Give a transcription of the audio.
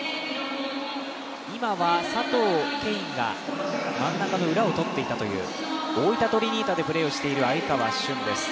今は佐藤恵允が真ん中の裏を取ってきたという大分トリニータでプレーしている鮎川峻です。